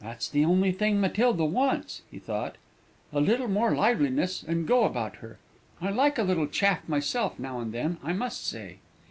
"That's the only thing Matilda wants," he thought, "a little more liveliness and go about her. I like a little chaff myself, now and then, I must say."